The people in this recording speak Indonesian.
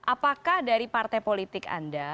apakah dari partai politik anda